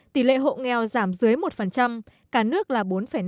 tỷ lệ hộ nghèo giảm dưới một cả nước là bốn năm